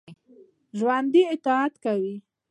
ژوندي طاعت کوي